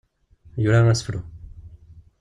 Yura asefru.